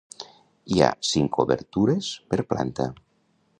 Hi ha cinc obertures per planta.